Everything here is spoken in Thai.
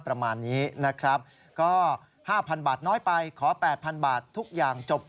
ประมาณนี้นะครับก็๕๐๐บาทน้อยไปขอ๘๐๐บาททุกอย่างจบ